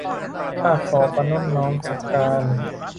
ข้าขอประณตน้อมสักการ